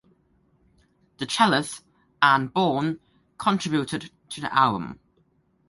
The cellist Anne Bourne contributed to the album.